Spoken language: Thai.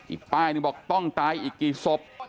อีกป้ายหนึ่งบอกต้องตายอีกกี่ศพ